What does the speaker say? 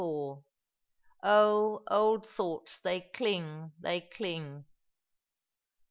0H, OLD THOUGHTS THEY CLING, THEY CLING !"